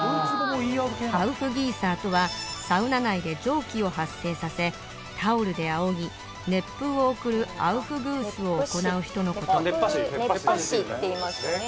アウフギーサーとはサウナ内で蒸気を発生させタオルであおぎ熱風を送るアウフグースを行う人のこと・熱波師といいますよね